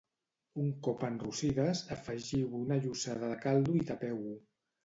Un cop enrossides, afegiu-hi una llossada de caldo i tapeu-ho.